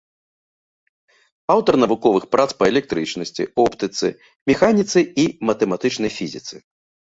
Аўтар навуковых прац па электрычнасці, оптыцы, механіцы і матэматычнай фізіцы.